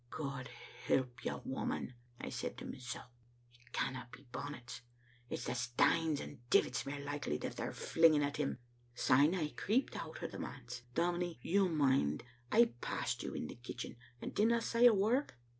'" *God help you, woman !* I said to mysel', *it canna be bonnets — it's stanes and divits mair likely that they're flinging at him.' S3me I creeped out o* the manse. Dominie, you mind I passed you in the kitch en, and didna say a word?"